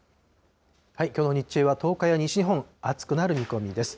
きょうの日中は東海や西日本、暑くなる見込みです。